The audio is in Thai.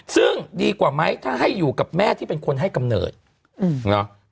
ซึ่งดีกว่าไหมถ้าให้อยู่กับแม่ที่เป็นคนให้กำเนิดเนาะ